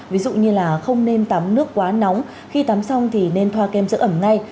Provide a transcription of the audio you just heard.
ví dụ như là không nên tắm nước quá nóng khi tắm xong thì nên thoa kem giữ ẩm ngay